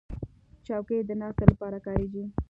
چوکۍ د ناستې لپاره کارېږي.